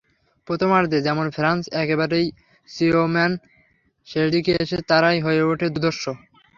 প্রথমার্ধে যেমন ফ্রান্স একেবারেই ম্রিয়মাণ, শেষ দিকে এসে তারাই হয়ে ওঠে দুর্ধর্ষ।